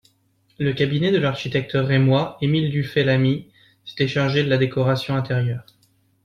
Le cabinet de l'architecte rémois Emile Dufay-Lamy s'était chargé de la décoration intérieure.